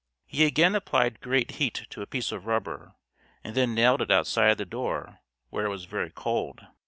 He again applied great heat to a piece of rubber, and then nailed it outside the door, where it was very cold.